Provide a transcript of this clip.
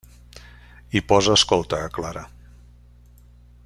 I posa escolta a Clara.